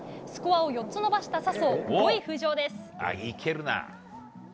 スコアを４つ伸ばした笹生５位浮上です。